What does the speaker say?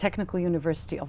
hoặc khi nó đã được mở